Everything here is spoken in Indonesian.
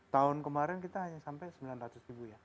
tahun kemarin kita hanya sampai sembilan ratus ribu ya